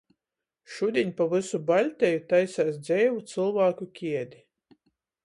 Šudiņ pa vysu Baļteju taiseis dzeivu cylvāku kiedi.